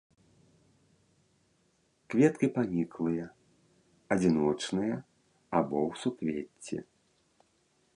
Кветкі паніклыя, адзіночныя або ў суквецці.